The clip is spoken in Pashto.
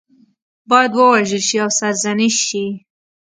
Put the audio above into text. باید ووژل شي او سرزنش شي.